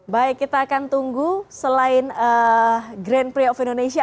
baik kita akan tunggu selain grand prix of indonesia